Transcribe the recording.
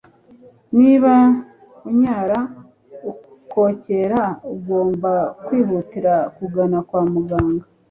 Niba unyara ukokera ugomba kwihutira kugana kwa muganga.